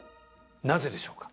なぜでしょうか？